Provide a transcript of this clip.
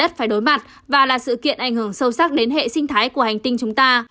phải đối mặt và là sự kiện ảnh hưởng sâu sắc đến hệ sinh thái của hành tinh chúng ta